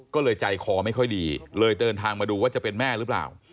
ก็เลยใจคอไม่ค่อยดีเลยเดินทางมาดูว่าจะเป็นแม่หรือเปล่า